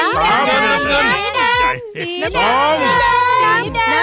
สีน้ำเงินหรือสีแดงกันนะ